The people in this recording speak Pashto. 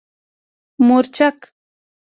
🌶 مورچک